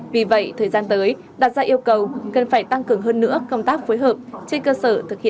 vì vậy thời gian tới đặt ra yêu cầu cần phải tăng cường hơn nữa công tác phối hợp